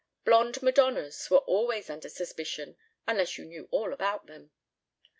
Blonde madonnas were always under suspicion unless you knew all about them.